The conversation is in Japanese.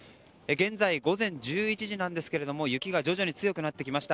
現在、午前１１時なんですが雪が徐々に強くなってきました。